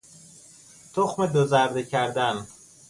تخم دوزرده کردن